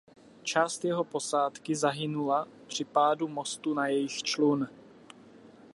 Část jeho posádky zahynula při pádu mostu na jejich člun.